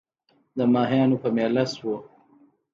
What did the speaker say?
د ماهیانو په مېله سوو